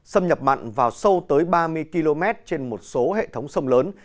xâm nhập mặn vào sâu tới ba mươi km trên một số hệ thống sông lớn